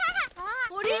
あれ？